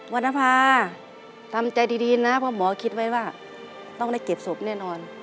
รณภาทำใจดีนะเพราะหมอคิดไว้ว่าต้องได้เก็บศพแน่นอน